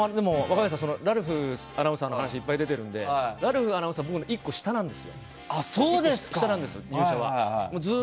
ラルフアナウンサーの話がいっぱい出てるのでラルフアナウンサーの入社は僕の１個下なんです。